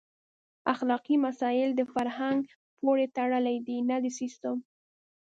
اخلاقي مسایل د فرهنګ پورې تړلي دي نه د سیسټم.